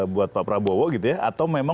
buat pak prabowo gitu ya atau memang